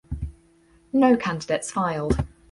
No candidates filed.